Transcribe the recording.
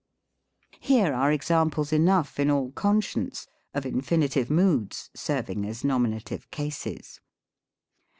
Here are examples enough, in all conscience, of in finitive moods serving as nominative cases.